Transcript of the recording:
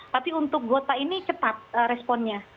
tapi untuk gota ini cepat responnya